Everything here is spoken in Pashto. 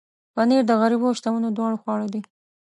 پنېر د غریبو او شتمنو دواړو خواړه دي.